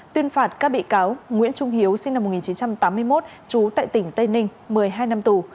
tuyên phạt các bị cáo nguyễn trung hiếu sinh năm một nghìn chín trăm tám mươi một trú tại tỉnh tây ninh một mươi hai năm tù